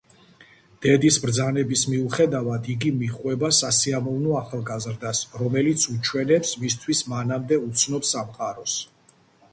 დედის ბრძანების მიუხედავად, იგი მიჰყვება სასიამოვნო ახალგაზრდას, რომელიც უჩვენებს მისთვის მანამდე უცნობ სამყაროს.